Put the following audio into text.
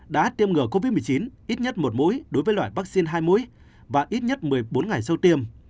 đã tiêm ngừa covid một mươi chín ít nhất một mũi đối với loại vaccine hai mũi và ít nhất một mươi bốn ngày sau tiêm